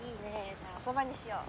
じゃあお蕎麦にしよう。